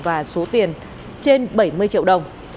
và số tiền trên bảy mươi triệu đồng